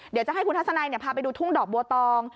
เดี๋ยวจะให้คุณทัศนัยพาไปดูทุ่งดอกบัวตอง